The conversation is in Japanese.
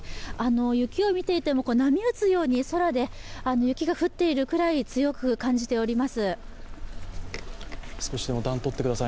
雪を見ていても、波打つように空で雪が降っているくらい強く感じております。